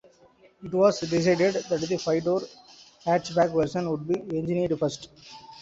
It was decided that the five-door hatchback version would be engineered first.